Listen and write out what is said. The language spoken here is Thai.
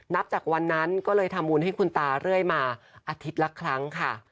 นับจากวันนั้นก็เลยทำบุญให้คุณตาเรื่อยมาอาทิตย์ละครั้งค่ะ